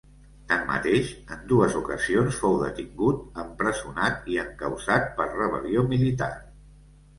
Tanmateix, en dues ocasions, fou detingut, empresonat i encausat per rebel·lió militar.